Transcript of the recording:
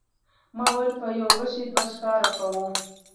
ما ویلي و په یوه غیشي دوه ښکاره کوو.